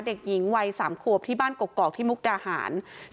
เด็กหญิงวัย๓ขวบที่บ้านกกอกที่มุกดาหาร